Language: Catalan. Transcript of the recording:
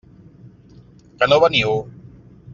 Que no veniu?